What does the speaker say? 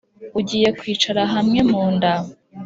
Ugiye kwicara hamwe mu nda!"